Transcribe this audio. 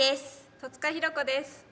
戸塚寛子です。